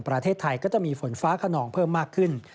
ประเทศไทยก็จะมีฝนฟ้าขนองเพิ่มมากขึ้น